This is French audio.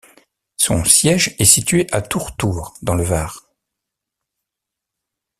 Son siège est situé à Tourtour dans le Var.